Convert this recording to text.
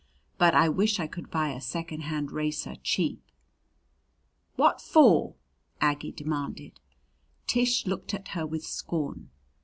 "But I wish I could buy a second hand racer cheap." "What for?" Aggie demanded. Tish looked at her with scorn.